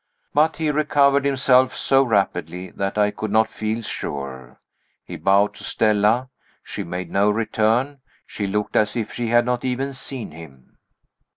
But he recovered himself so rapidly that I could not feel sure. He bowed to Stella. She made no return; she looked as if she had not even seen him.